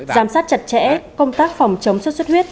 giám sát chặt chẽ công tác phòng chống xuất xuất huyết